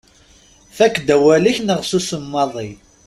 Fakk-d awal-ik neɣ susem maḍi.